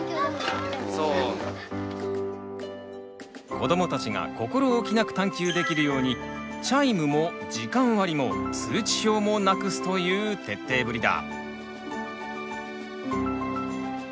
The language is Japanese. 子どもたちが心置きなく探究できるようにチャイムも時間割りも通知表もなくすという徹底ぶりだ。